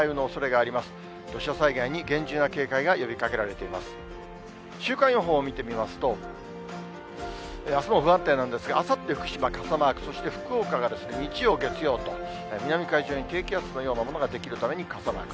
あすも不安定なんですが、あさって福島傘マーク、そして福岡が日曜、月曜と、南海上に低気圧のようなものが出来るために傘マーク。